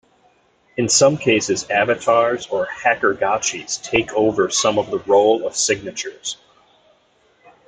In some cases avatars or hackergotchis take over some of the role of signatures.